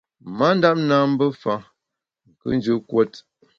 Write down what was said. Ma ndap nâ mbe fa, nkùnjù kuot.